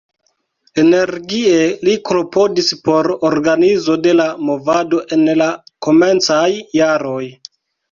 Energie li klopodis por organizo de la movado en la komencaj jaroj.